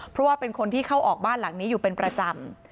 เพราะว่าเป็นคนที่เข้าออกบ้านหลังนี้อยู่เป็นประจำ